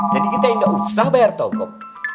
jadi kita tidak usah bayar tokop